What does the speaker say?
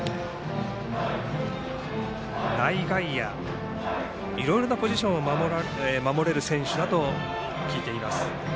内外野いろいろなポジションを守れる選手だと聞いています。